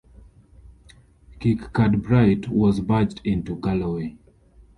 Kirkcudbright was merged into Galloway.